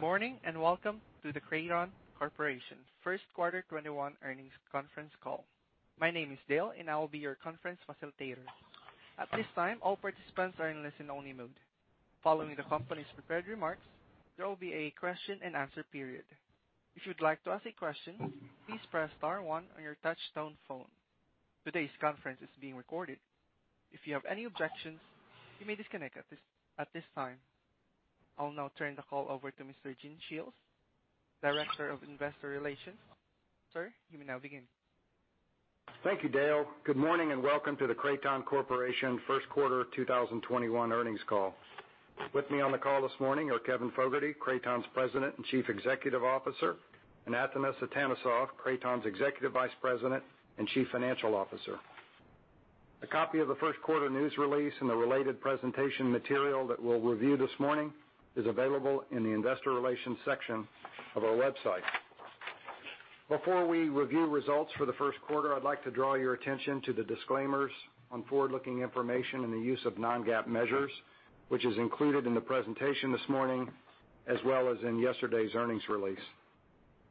Good morning, and welcome to the Kraton Corporation first Quarter 2021 earnings conference call. My name is Dale, and I will be your conference facilitator. At this time, all participants are in listen only mode. Following the company's prepared remarks, there will be a question and answer period. If you'd like to ask a question, please press star one on your touchtone phone. Today's conference is being recorded. If you have any objections, you may disconnect at this time. I'll now turn the call over to Mr. Gene Shiels, Director of Investor Relations. Sir, you may now begin. Thank you, Dale. Good morning and welcome to the Kraton Corporation first quarter 2021 earnings call. With me on the call this morning are Kevin Fogarty, Kraton's President and Chief Executive Officer, and Atanas Atanasov, Kraton's Executive Vice President and Chief Financial Officer. A copy of the first quarter news release and the related presentation material that we'll review this morning is available in the Investor Relations section of our website. Before we review results for the first quarter, I'd like to draw your attention to the disclaimers on forward-looking information and the use of non-GAAP measures, which is included in the presentation this morning, as well as in yesterday's earnings release.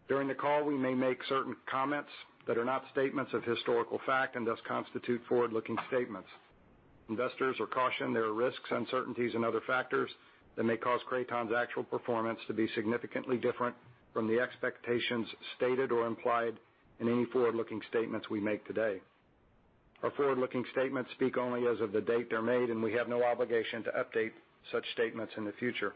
During the call, we may make certain comments that are not statements of historical fact and thus constitute forward-looking statements. Investors are cautioned there are risks, uncertainties and other factors that may cause Kraton's actual performance to be significantly different from the expectations stated or implied in any forward-looking statements we make today. Our forward-looking statements speak only as of the date they're made, and we have no obligation to update such statements in the future.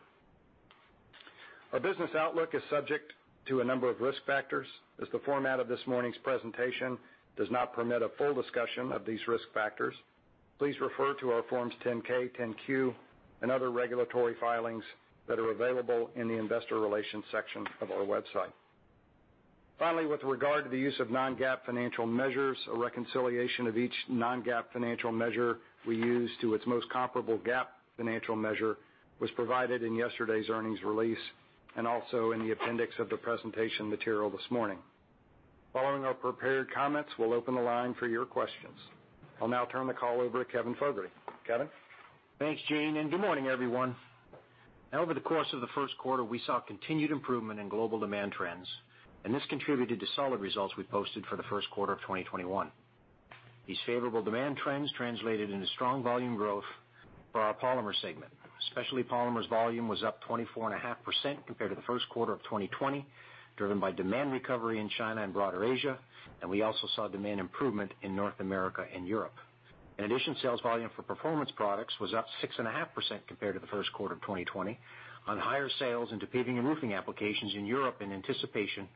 Our business outlook is subject to a number of risk factors. As the format of this morning's presentation does not permit a full discussion of these risk factors, please refer to our Forms 10-K, 10-Q, and other regulatory filings that are available in the investor relations section of our website. Finally, with regard to the use of non-GAAP financial measures, a reconciliation of each non-GAAP financial measure we use to its most comparable GAAP financial measure was provided in yesterday's earnings release, and also in the appendix of the presentation material this morning. Following our prepared comments, we'll open the line for your questions. I'll now turn the call over to Kevin Fogarty. Kevin? Thanks, Gene. Good morning, everyone. Over the course of the first quarter, we saw continued improvement in global demand trends, and this contributed to solid results we posted for the first quarter of 2021. These favorable demand trends translated into strong volume growth for our Polymer Segment. Specialty polymers volume was up 24.5% compared to the first quarter of 2020, driven by demand recovery in China and broader Asia, and we also saw demand improvement in North America and Europe. In addition, sales volume for performance products was up 6.5% compared to the first quarter of 2020 on higher sales into paving and roofing applications in Europe in anticipation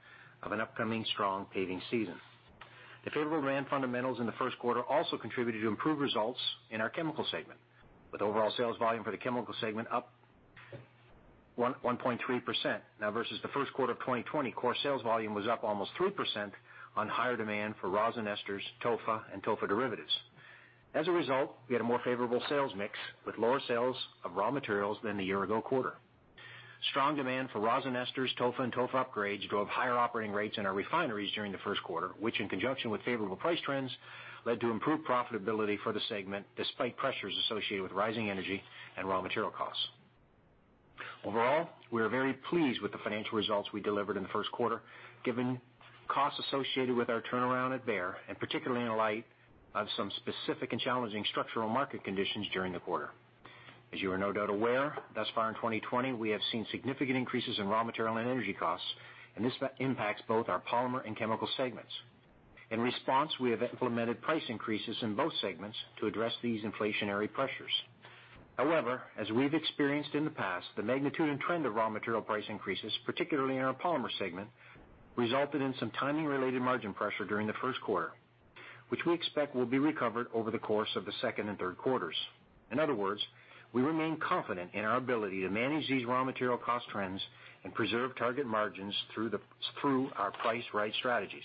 of an upcoming strong paving season. The favorable demand fundamentals in the first quarter also contributed to improved results in our Chemical Segment, with overall sales volume for the Chemical Segment up 1.3%. Now versus the first quarter of 2020, core sales volume was up almost 3% on higher demand for rosin ester, TOFA, and TOFA derivatives. As a result, we had a more favorable sales mix with lower sales of raw materials than the year ago quarter. Strong demand for rosin esters, TOFA and TOFA upgrades drove higher operating rates in our refineries during the first quarter, which, in conjunction with favorable price trends, led to improved profitability for the segment, despite pressures associated with rising energy and raw material costs. Overall, we are very pleased with the financial results we delivered in the first quarter, given costs associated with our turnaround at Berre, and particularly in light of some specific and challenging structural market conditions during the quarter. As you are no doubt aware, thus far in 2020, we have seen significant increases in raw material and energy costs, and this impacts both our Polymer and Chemical Segments. In response, we have implemented price increases in both segments to address these inflationary pressures. However, as we've experienced in the past, the magnitude and trend of raw material price increases, particularly in our Polymer Segment, resulted in some timing-related margin pressure during the first quarter, which we expect will be recovered over the course of the second and third quarters. In other words, we remain confident in our ability to manage these raw material cost trends and preserve target margins through our price right strategies.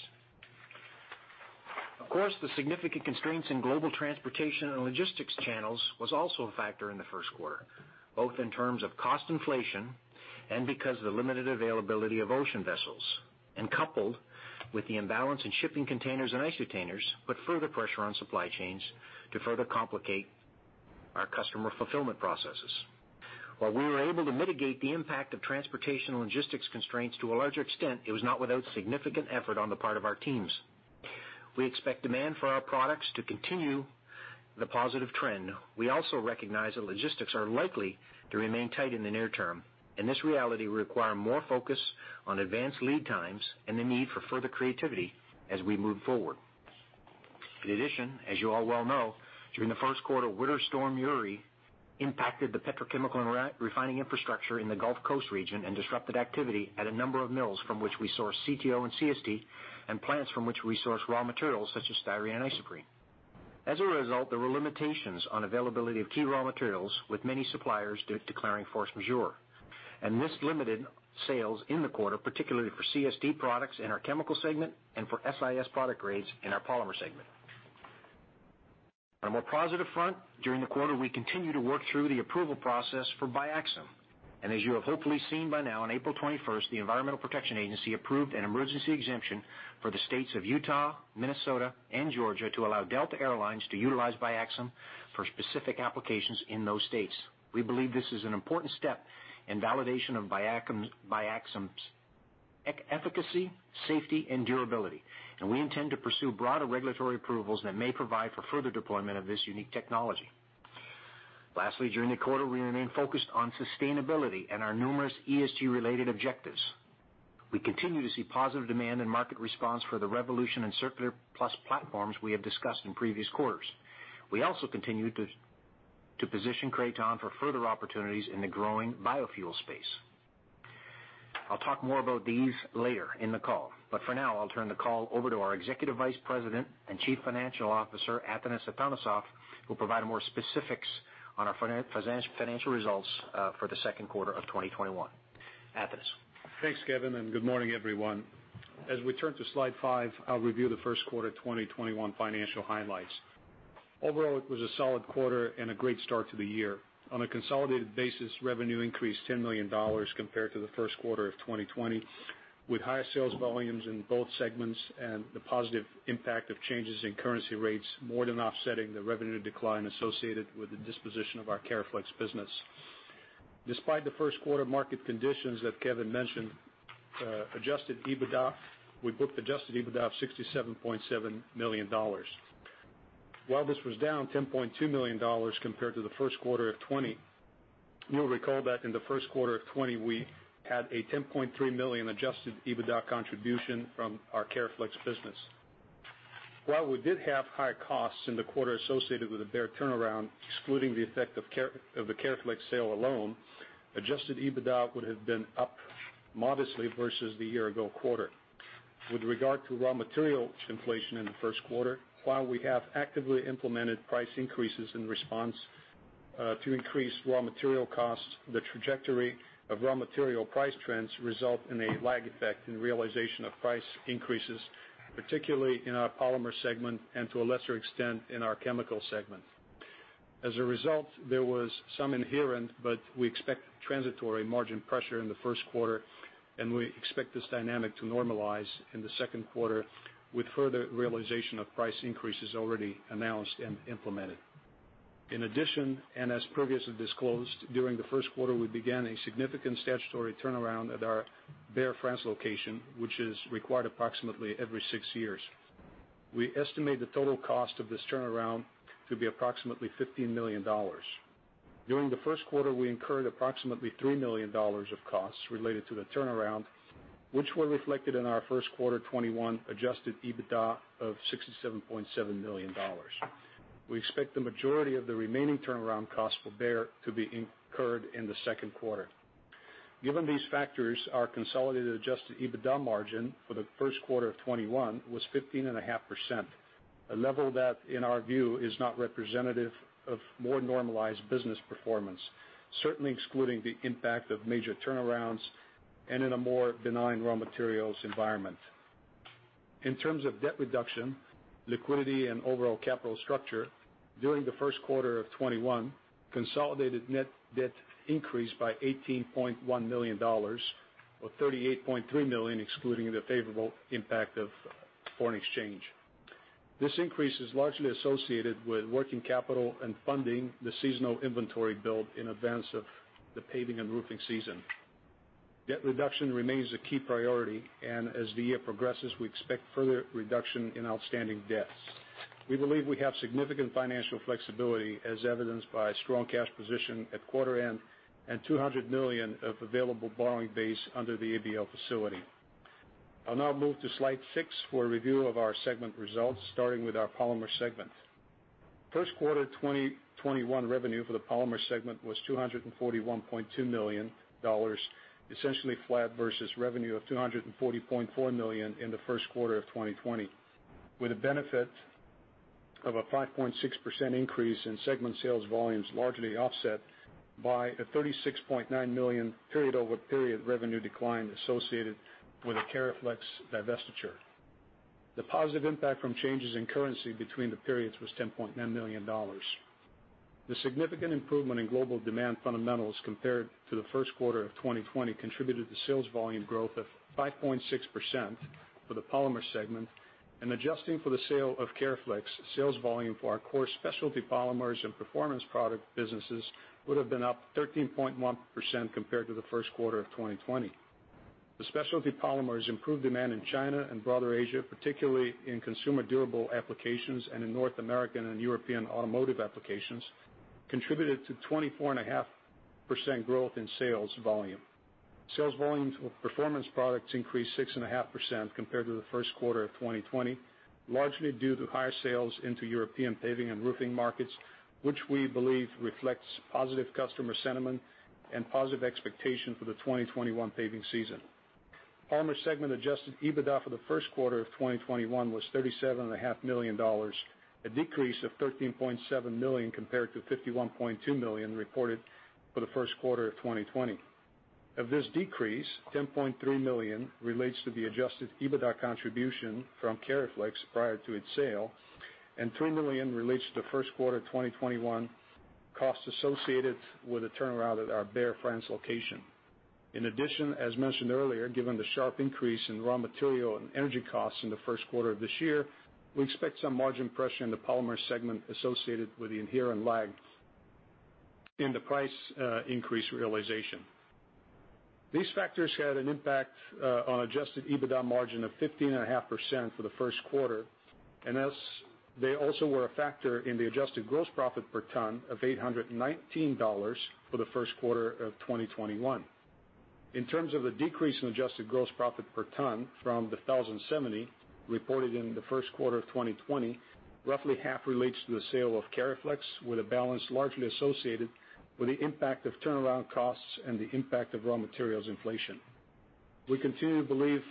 Of course, the significant constraints in global transportation and logistics channels was also a factor in the first quarter, both in terms of cost inflation and because of the limited availability of ocean vessels. Coupled with the imbalance in shipping containers and ISO containers, put further pressure on supply chains to further complicate our customer fulfillment processes. While we were able to mitigate the impact of transportation and logistics constraints to a larger extent, it was not without significant effort on the part of our teams. We expect demand for our products to continue the positive trend. We also recognize that logistics are likely to remain tight in the near term. This reality will require more focus on advanced lead times and the need for further creativity as we move forward. In addition, as you all well know, during the first quarter, Winter Storm Uri impacted the petrochemical and refining infrastructure in the Gulf Coast region and disrupted activity at a number of mills from which we source CTO and CST and plants from which we source raw materials such as styrene and isoprene. As a result, there were limitations on availability of key raw materials with many suppliers declaring force majeure. This limited sales in the quarter, particularly for CST products in our Chemical Segment and for SIS product grades in our Polymer Segment. On a more positive front, during the quarter, we continue to work through the approval process for BiaXam. As you have hopefully seen by now, on April 21st, the Environmental Protection Agency approved an emergency exemption for the states of Utah, Minnesota, and Georgia to allow Delta Air Lines to utilize BiaXam for specific applications in those states. We believe this is an important step in validation of BiaXam's efficacy, safety, and durability. We intend to pursue broader regulatory approvals that may provide for further deployment of this unique technology. Lastly, during the quarter, we remain focused on sustainability and our numerous ESG-related objectives. We continue to see positive demand and market response for the REvolution and CirKular+ platforms we have discussed in previous quarters. We also continue to position Kraton for further opportunities in the growing biofuel space. I'll talk more about these later in the call, for now, I'll turn the call over to our Executive Vice President and Chief Financial Officer, Atanas Atanasov, who'll provide more specifics on our financial results for the second quarter of 2021. Atanas. Thanks, Kevin, and good morning, everyone. We turn to slide five, I'll review the first quarter 2021 financial highlights. Overall, it was a solid quarter and a great start to the year. On a consolidated basis, revenue increased $10 million compared to the first quarter of 2020, with higher sales volumes in both segments and the positive impact of changes in currency rates more than offsetting the revenue decline associated with the disposition of our Cariflex business. Despite the first quarter market conditions that Kevin mentioned, we booked adjusted EBITDA of $67.7 million. While this was down $10.2 million compared to the first quarter of 2020, you'll recall that in the first quarter of 2020, we had a $10.3 million adjusted EBITDA contribution from our Cariflex business. While we did have higher costs in the quarter associated with the Berre turnaround, excluding the effect of the Cariflex sale alone, adjusted EBITDA would have been up modestly versus the year-ago quarter. With regard to raw material inflation in the first quarter, while we have actively implemented price increases in response to increased raw material costs, the trajectory of raw material price trends result in a lag effect in realization of price increases, particularly in our Polymer Segment and to a lesser extent, in our Chemical Segment. As a result, there was some inherent, but we expect transitory margin pressure in the first quarter, and we expect this dynamic to normalize in the second quarter with further realization of price increases already announced and implemented. In addition, and as previously disclosed, during the first quarter, we began a significant statutory turnaround at our Berre, France location, which is required approximately every six years. We estimate the total cost of this turnaround to be approximately $15 million. During the first quarter, we incurred approximately $3 million of costs related to the turnaround, which were reflected in our first quarter 2021 adjusted EBITDA of $67.7 million. We expect the majority of the remaining turnaround costs for Berre to be incurred in the second quarter. Given these factors, our consolidated adjusted EBITDA margin for the first quarter of 2021 was 15.5%, a level that, in our view, is not representative of more normalized business performance, certainly excluding the impact of major turnarounds and in a more benign raw materials environment. In terms of debt reduction, liquidity, and overall capital structure, during the first quarter of 2021, consolidated net debt increased by $18.1 million, or $38.3 million excluding the favorable impact of foreign exchange. This increase is largely associated with working capital and funding the seasonal inventory build in advance of the paving and roofing season. Debt reduction remains a key priority. As the year progresses, we expect further reduction in outstanding debts. We believe we have significant financial flexibility as evidenced by strong cash position at quarter end and $200 million of available borrowing base under the ABL facility. I'll now move to slide six for a review of our segment results, starting with our Polymers Segment. First quarter 2021 revenue for the Polymers Segment was $241.2 million, essentially flat versus revenue of $240.4 million in the first quarter of 2020, with the benefit of a 5.6% increase in segment sales volumes largely offset by a $36.9 million period-over-period revenue decline associated with the Cariflex divestiture. The positive impact from changes in currency between the periods was $10.9 million. The significant improvement in global demand fundamentals compared to the first quarter of 2020 contributed to sales volume growth of 5.6% for the Polymers Segment, and adjusting for the sale of Cariflex, sales volume for our core specialty polymers and performance product businesses would've been up 13.1% compared to the first quarter of 2020. The specialty polymers improved demand in China and broader Asia, particularly in consumer durable applications and in North American and European automotive applications, contributed to 24.5% growth in sales volume. Sales volumes with performance products increased 6.5% compared to the first quarter of 2020, largely due to higher sales into European paving and roofing markets, which we believe reflects positive customer sentiment and positive expectation for the 2021 paving season. Polymers Segment adjusted EBITDA for the first quarter of 2021 was $37.5 million, a decrease of $13.7 million compared to $51.2 million reported for the first quarter of 2020. Of this decrease, $10.3 million relates to the adjusted EBITDA contribution from Cariflex prior to its sale, and $3 million relates to the first quarter 2021 costs associated with the turnaround at our Berre, France location. In addition, as mentioned earlier, given the sharp increase in raw material and energy costs in the first quarter of this year, we expect some margin pressure in the Polymers Segment associated with the inherent lag in the price increase realization. These factors had an impact on adjusted EBITDA margin of 15.5% for the first quarter, and they also were a factor in the adjusted gross profit per ton of $819 for the first quarter of 2021. In terms of the decrease in adjusted gross profit per ton from the $1,070 reported in the first quarter of 2020, roughly half relates to the sale of Cariflex, with a balance largely associated with the impact of turnaround costs and the impact of raw materials inflation. We continue to believe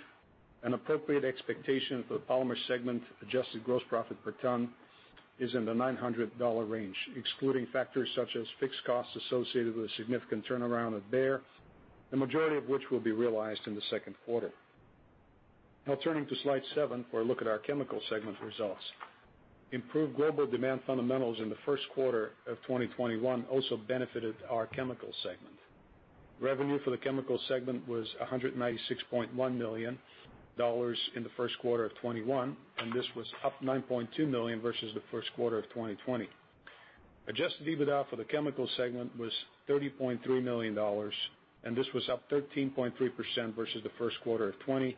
an appropriate expectation for the Polymer Segment adjusted gross profit per ton is in the $900 range, excluding factors such as fixed costs associated with the significant turnaround at Berre, the majority of which will be realized in the second quarter. Now turning to slide seven for a look at our Chemical Segment results. Improved global demand fundamentals in the first quarter of 2021 also benefited our Chemical Segment. Revenue for the Chemical Segment was $196.1 million in the first quarter of 2021. This was up $9.2 million versus the first quarter of 2020. Adjusted EBITDA for the Chemical Segment was $30.3 million. This was up 13.3% versus the first quarter of 2020,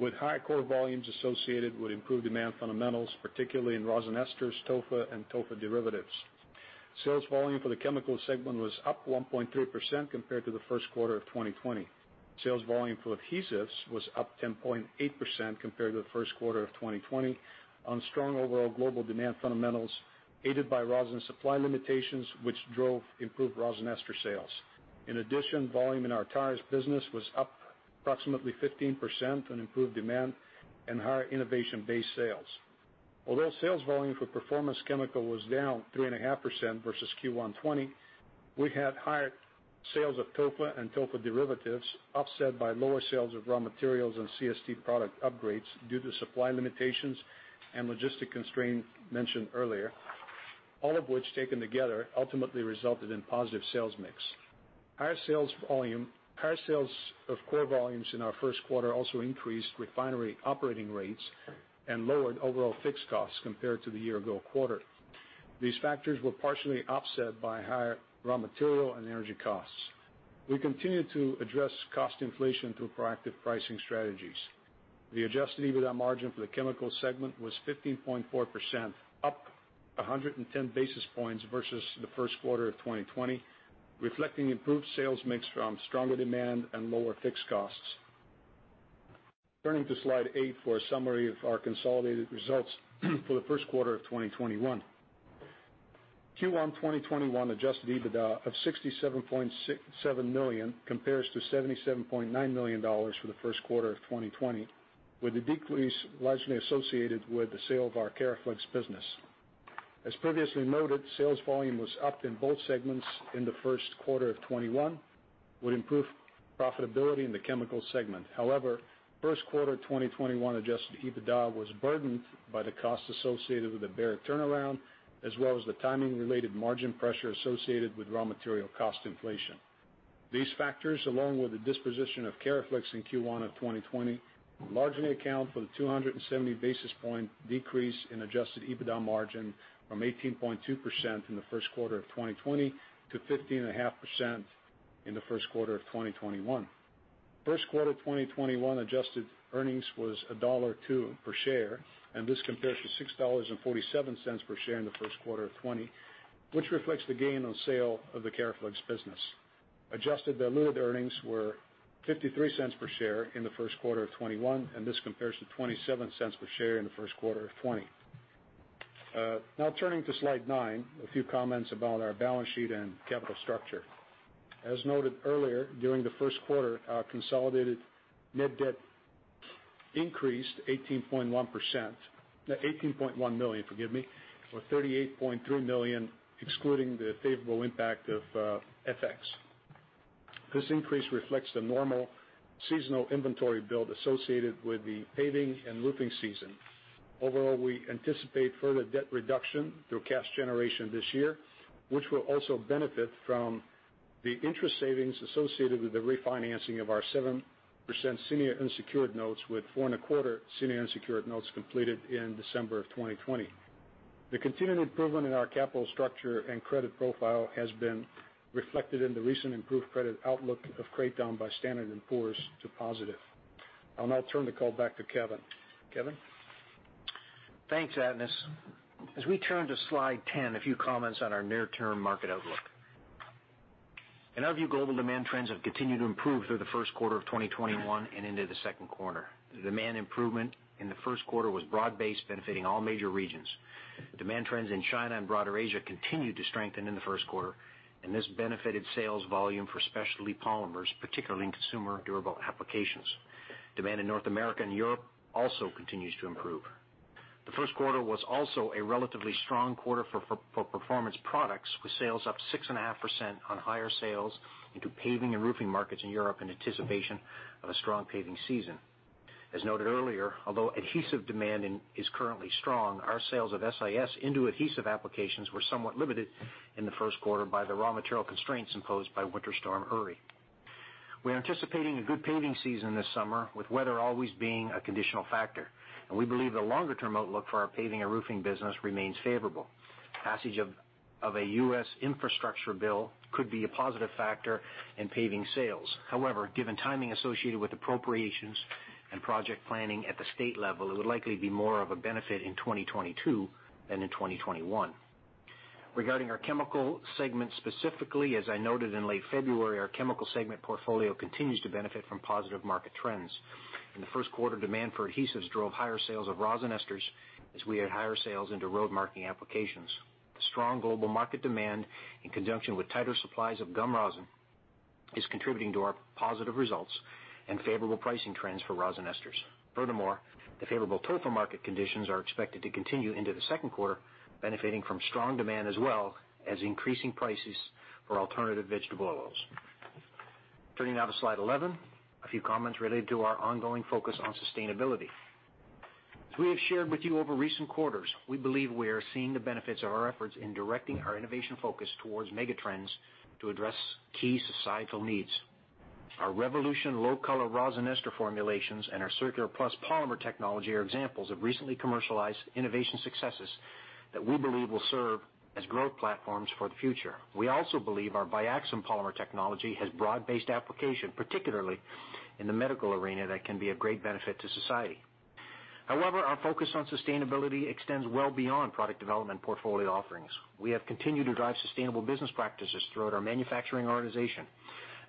with higher core volumes associated with improved demand fundamentals, particularly in rosin esters, TOFA, and TOFA derivatives. Sales volume for the Chemical Segment was up 1.3% compared to the first quarter of 2020. Sales volume for adhesives was up 10.8% compared to the first quarter of 2020 on strong overall global demand fundamentals aided by rosin supply limitations, which drove improved rosin ester sales. In addition, volume in our tires business was up approximately 15% on improved demand and higher innovation-based sales. Although sales volume for Performance Chemical was down 3.5% versus Q1 2020, we had higher sales of TOFA and TOFA derivatives offset by lower sales of raw materials and CST product upgrades due to supply limitations and logistic constraints mentioned earlier, all of which, taken together, ultimately resulted in positive sales mix. Higher sales of core volumes in our first quarter also increased refinery operating rates and lowered overall fixed costs compared to the year-ago quarter. These factors were partially offset by higher raw material and energy costs. We continue to address cost inflation through proactive pricing strategies. The adjusted EBITDA margin for the Chemical Segment was 15.4%, up 110 basis points versus the first quarter of 2020, reflecting improved sales mix from stronger demand and lower fixed costs. Turning to slide eight for a summary of our consolidated results for the first quarter of 2021. Q1 2021 adjusted EBITDA of $67.7 million compares to $77.9 million for the first quarter of 2020, with the decrease largely associated with the sale of our Cariflex business. As previously noted, sales volume was up in both segments in the first quarter of 2021, with improved profitability in the Chemical Segment. However, first quarter 2021 adjusted EBITDA was burdened by the costs associated with the Berre turnaround, as well as the timing-related margin pressure associated with raw material cost inflation. These factors, along with the disposition of Cariflex in Q1 of 2020, largely account for the 270-basis-point decrease in adjusted EBITDA margin from 18.2% in the first quarter of 2020 to 15.5% in the first quarter of 2021. First quarter 2021 adjusted earnings was $1.02 per share. This compares to $6.47 per share in the first quarter of 2020, which reflects the gain on sale of the Cariflex business. Adjusted diluted earnings were $0.53 per share in the first quarter of 2021. This compares to $0.27 per share in the first quarter of 2020. Turning to slide nine, a few comments about our balance sheet and capital structure. As noted earlier, during the first quarter, our consolidated net debt increased $18.1 million, or $38.3 million, excluding the favorable impact of FX. This increase reflects the normal seasonal inventory build associated with the paving and roofing season. Overall, we anticipate further debt reduction through cash generation this year, which will also benefit from the interest savings associated with the refinancing of our 7% senior unsecured notes with 4.25% senior unsecured notes completed in December of 2020. The continued improvement in our capital structure and credit profile has been reflected in the recent improved credit outlook of Kraton by Standard & Poor's to positive. I'll now turn the call back to Kevin. Kevin? Thanks, Atanas. As we turn to slide 10, a few comments on our near-term market outlook. In our view, global demand trends have continued to improve through the first quarter of 2021 and into the second quarter. Demand improvement in the first quarter was broad-based, benefiting all major regions. Demand trends in China and broader Asia continued to strengthen in the first quarter, and this benefited sales volume for specialty polymers, particularly in consumer durable applications. Demand in North America and Europe also continues to improve. The first quarter was also a relatively strong quarter for Performance Products, with sales up 6.5% on higher sales into paving and roofing markets in Europe in anticipation of a strong paving season. As noted earlier, although adhesive demand is currently strong, our sales of SIS into adhesive applications were somewhat limited in the first quarter by the raw material constraints imposed by Winter Storm Uri. We're anticipating a good paving season this summer, with weather always being a conditional factor. We believe the longer-term outlook for our paving and roofing business remains favorable. Passage of a U.S. infrastructure bill could be a positive factor in paving sales. However, given timing associated with appropriations and project planning at the state level, it would likely be more of a benefit in 2022 than in 2021. Regarding our Chemical Segment specifically, as I noted in late February, our Chemical Segment portfolio continues to benefit from positive market trends. In the first quarter, demand for adhesives drove higher sales of rosin esters as we had higher sales into road marking applications. The strong global market demand, in conjunction with tighter supplies of gum rosin, is contributing to our positive results and favorable pricing trends for rosin esters. The favorable TOFA market conditions are expected to continue into the second quarter, benefiting from strong demand as well as increasing prices for alternative vegetable oils. Turning now to slide 11, a few comments related to our ongoing focus on sustainability. As we have shared with you over recent quarters, we believe we are seeing the benefits of our efforts in directing our innovation focus towards mega trends to address key societal needs. Our REvolution low-color rosin ester formulations and our CirKular+ polymer technology are examples of recently commercialized innovation successes that we believe will serve as growth platforms for the future. We also believe our BiaXam polymer technology has broad-based application, particularly in the medical arena, that can be a great benefit to society. Our focus on sustainability extends well beyond product development portfolio offerings. We have continued to drive sustainable business practices throughout our manufacturing organization,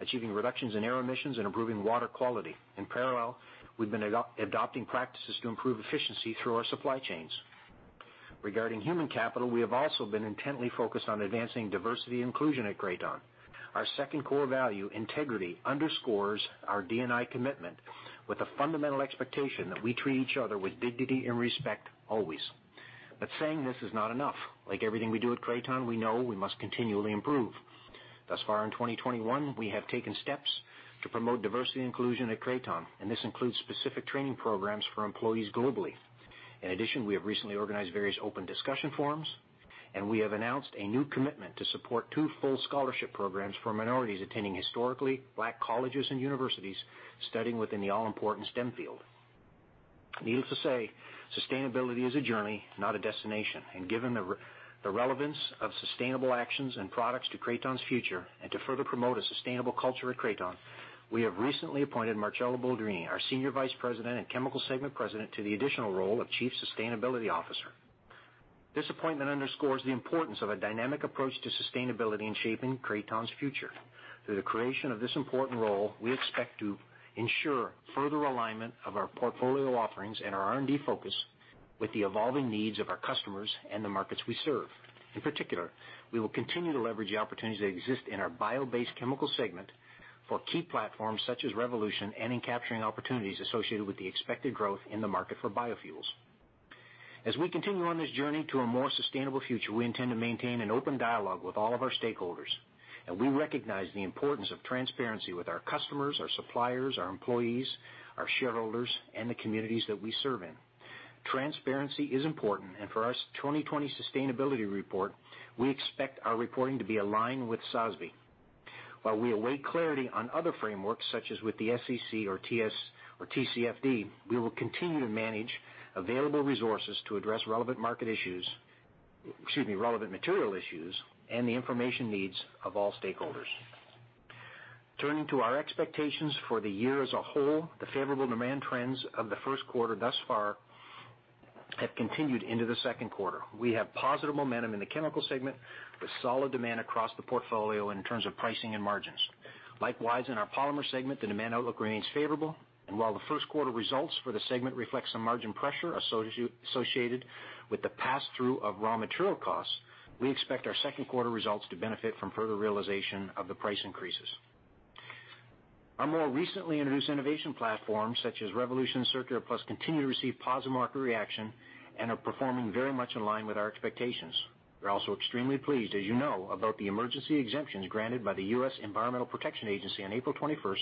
achieving reductions in air emissions and improving water quality. In parallel, we've been adopting practices to improve efficiency through our supply chains. Regarding human capital, we have also been intently focused on advancing diversity and inclusion at Kraton. Our second core value, integrity, underscores our D&I commitment with the fundamental expectation that we treat each other with dignity and respect always. Saying this is not enough. Like everything we do at Kraton, we know we must continually improve. Thus far in 2021, we have taken steps to promote diversity and inclusion at Kraton. This includes specific training programs for employees globally. In addition, we have recently organized various open discussion forums, and we have announced a new commitment to support two full scholarship programs for minorities attending historically Black colleges and universities studying within the all-important STEM field. Needless to say, sustainability is a journey, not a destination, and given the relevance of sustainable actions and products to Kraton's future and to further promote a sustainable culture at Kraton, we have recently appointed Marcello Boldrini, our Senior Vice President and Chemical Segment President, to the additional role of Chief Sustainability Officer. This appointment underscores the importance of a dynamic approach to sustainability in shaping Kraton's future. Through the creation of this important role, we expect to ensure further alignment of our portfolio offerings and our R&D focus with the evolving needs of our customers and the markets we serve. In particular, we will continue to leverage the opportunities that exist in our bio-based Chemical Segment for key platforms such as REvolution and in capturing opportunities associated with the expected growth in the market for biofuels. As we continue on this journey to a more sustainable future, we intend to maintain an open dialogue with all of our stakeholders, and we recognize the importance of transparency with our customers, our suppliers, our employees, our shareholders, and the communities that we serve in. Transparency is important, and for our 2020 sustainability report, we expect our reporting to be aligned with SASB. While we await clarity on other frameworks, such as with the SEC or TCFD, we will continue to manage available resources to address relevant material issues and the information needs of all stakeholders. Turning to our expectations for the year as a whole, the favorable demand trends of the first quarter thus far have continued into the second quarter. We have positive momentum in the Chemical Segment with solid demand across the portfolio in terms of pricing and margins. Likewise, in our Polymer Segment, the demand outlook remains favorable, and while the first quarter results for the segment reflect some margin pressure associated with the pass-through of raw material costs, we expect our second quarter results to benefit from further realization of the price increases. Our more recently introduced innovation platforms, such as REvolution CirKular+, continue to receive positive market reaction and are performing very much in line with our expectations. We're also extremely pleased, as you know, about the emergency exemptions granted by the U.S. Environmental Protection Agency on April 21st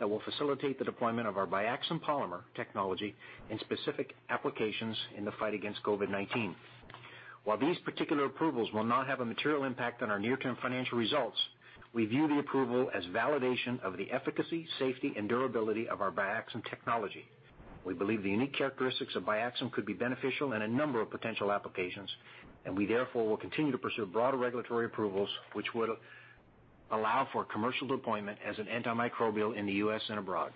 that will facilitate the deployment of our BiaXam polymer technology in specific applications in the fight against COVID-19. While these particular approvals will not have a material impact on our near-term financial results, we view the approval as validation of the efficacy, safety, and durability of our BiaXam technology. We believe the unique characteristics of BiaXam could be beneficial in a number of potential applications, and we, therefore, will continue to pursue broader regulatory approvals, which would allow for commercial deployment as an antimicrobial in the U.S. and abroad.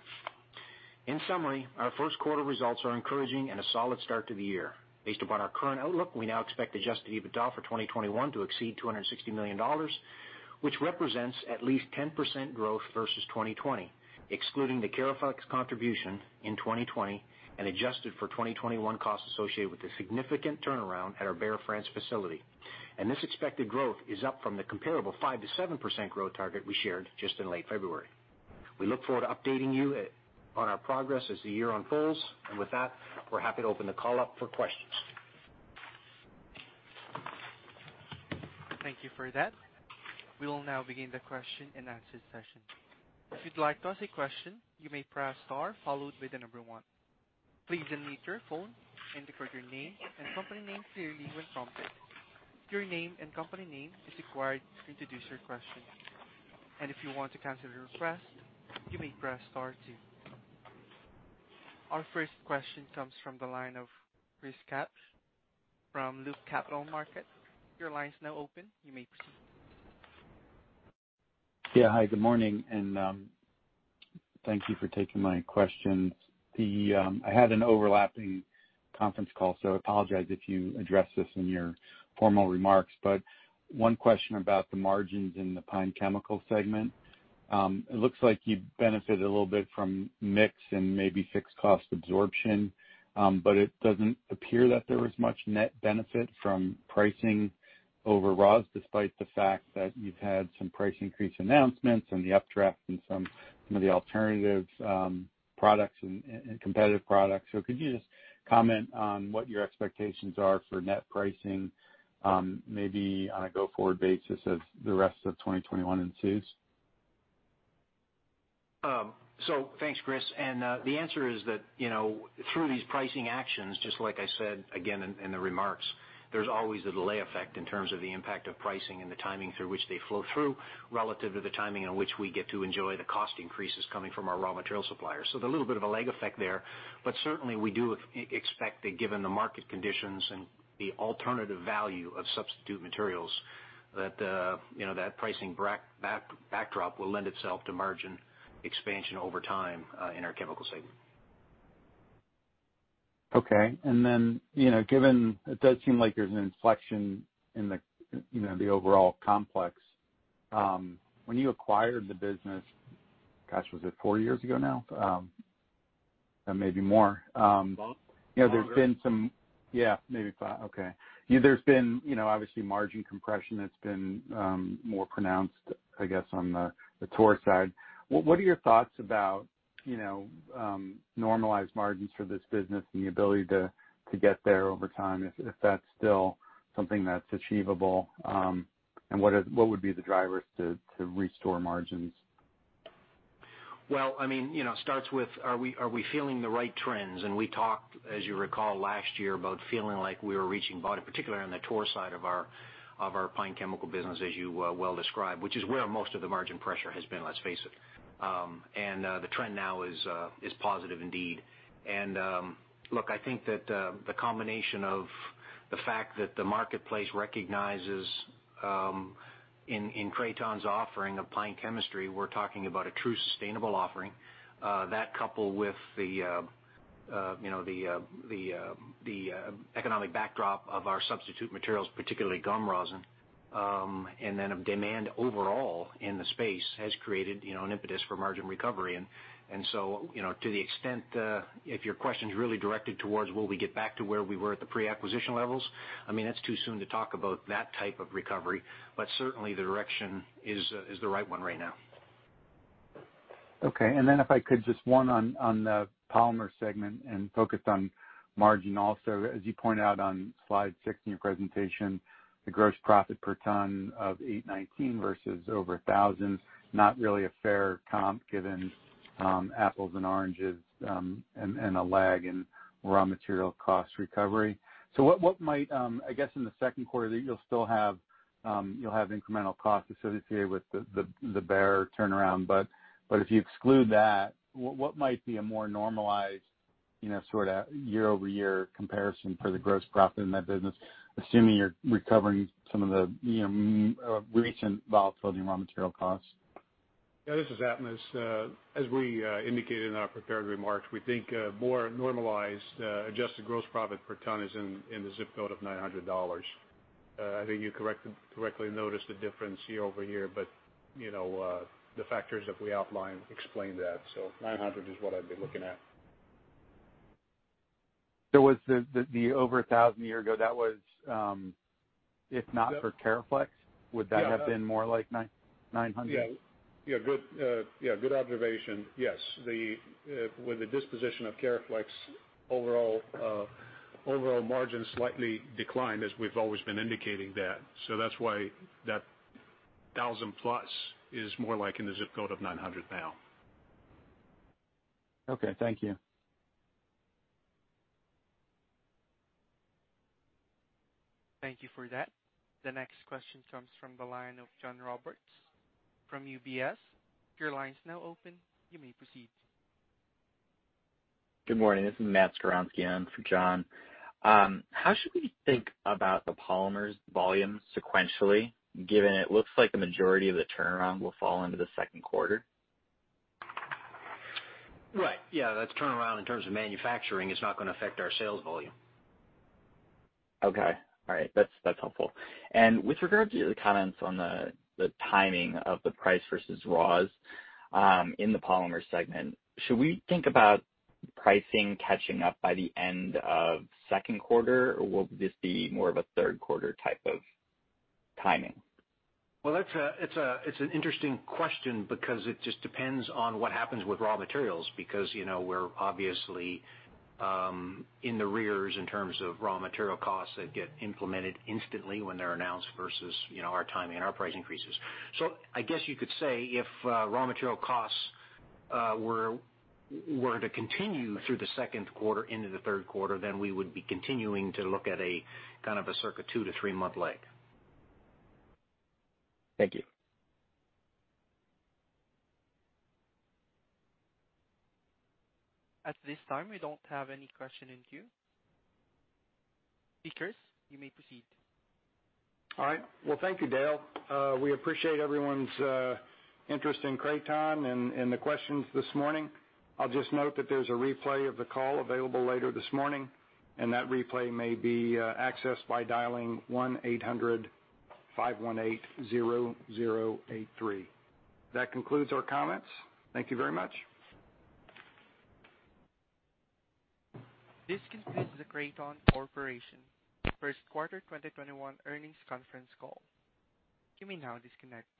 In summary, our first quarter results are encouraging and a solid start to the year. Based upon our current outlook, we now expect adjusted EBITDA for 2021 to exceed $260 million, which represents at least 10% growth versus 2020, excluding the Cariflex contribution in 2020 and adjusted for 2021 costs associated with the significant turnaround at our Berre, France facility. This expected growth is up from the comparable 5%-7% growth target we shared just in late February. We look forward to updating you on our progress as the year unfolds. With that, we're happy to open the call up for questions. Thank you for that. We will now begin the question and answer session. If you'd like to ask a question, you may press star followed by the number one. Please unmute your phone and record your name and company name clearly when prompted. Your name and company name is required to introduce your question. If you want to cancel your request, you may press star two. Our first question comes from the line of Chris Kapsch from Loop Capital Markets. Your line is now open. You may proceed. Hi, good morning, thank you for taking my questions. I had an overlapping conference call, so I apologize if you addressed this in your formal remarks. One question about the margins in the pine Chemical Segment. It looks like you benefited a little bit from mix and maybe fixed cost absorption. It doesn't appear that there was much net benefit from pricing over raws, despite the fact that you've had some price increase announcements and the updraft in some of the alternative products and competitive products. Could you just comment on what your expectations are for net pricing maybe on a go-forward basis as the rest of 2021 ensues? Thanks, Chris. The answer is that through these pricing actions, just like I said again in the remarks, there's always a delay effect in terms of the impact of pricing and the timing through which they flow through relative to the timing in which we get to enjoy the cost increases coming from our raw material suppliers. There's a little bit of a lag effect there, but certainly we do expect that given the market conditions and the alternative value of substitute materials, that pricing backdrop will lend itself to margin expansion over time in our Chemical Segment. Okay. It does seem like there's an inflection in the overall complex. When you acquired the business, gosh, was it four years ago now? Maybe more. Five. Probably. Yeah, maybe five. Okay. There's been obviously margin compression that's been more pronounced, I guess, on the TOR side. What are your thoughts about normalized margins for this business and the ability to get there over time, if that's still something that's achievable? What would be the drivers to restore margins? It starts with are we feeling the right trends? We talked, as you recall, last year about feeling like we were reaching bottom, particularly on the TOR side of our pine chemical business, as you well described, which is where most of the margin pressure has been, let's face it. The trend now is positive indeed. I think that the combination of the fact that the marketplace recognizes in Kraton's offering of pine chemistry, we're talking about a true sustainable offering. That coupled with the economic backdrop of our substitute materials, particularly gum rosin, and then of demand overall in the space has created an impetus for margin recovery. To the extent, if your question's really directed towards will we get back to where we were at the pre-acquisition levels? It's too soon to talk about that type of recovery. Certainly the direction is the right one right now. Okay. Then if I could, just one on the Polymer Segment and focused on margin also. As you point out on slide six in your presentation, the gross profit per ton of 819 versus over 1,000, not really a fair comp given apples and oranges, and a lag in raw material cost recovery. I guess in the second quarter, you'll have incremental costs associated with the Berre turnaround. If you exclude that, what might be a more normalized sort of year-over-year comparison for the gross profit in that business, assuming you're recovering some of the recent volatility in raw material costs? Yeah, this is Atanas. As we indicated in our prepared remarks, we think a more normalized adjusted gross profit per ton is in the zip code of $900. I think you correctly noticed a difference year-over-year. The factors that we outlined explain that. $900 is what I'd be looking at. Was the over $1,000 one year ago, that was if not for Cariflex? Yeah. Would that have been more like $900? Yeah. Good observation. Yes. With the disposition of Cariflex, overall margin slightly declined, as we've always been indicating that. That's why that $1,000+ is more like in the zip code of $900 now. Okay. Thank you. Thank you for that. The next question comes from the line of John Roberts from UBS. Your line is now open. You may proceed. Good morning. This is Matt Skowronski in for John. How should we think about the polymers volume sequentially, given it looks like the majority of the turnaround will fall into the second quarter? Right. Yeah. That turnaround in terms of manufacturing is not going to affect our sales volume. Okay. All right. That's helpful. With regard to your comments on the timing of the price versus raws in the Polymer Segment, should we think about pricing catching up by the end of second quarter or will this be more of a third quarter type of timing? Well, it's an interesting question because it just depends on what happens with raw materials because we're obviously in arrears in terms of raw material costs that get implemented instantly when they're announced versus our timing and our price increases. I guess you could say if raw material costs were to continue through the second quarter into the third quarter, then we would be continuing to look at a kind of a circa two to three-month lag. Thank you. At this time, we don't have any question in queue. Speakers, you may proceed. All right. Well, thank you, Dale. We appreciate everyone's interest in Kraton and the questions this morning. I'll just note that there's a replay of the call available later this morning, and that replay may be accessed by dialing 1-800-518-0083. That concludes our comments. Thank you very much. This concludes the Kraton Corporation first quarter 2021 earnings conference call. You may now disconnect.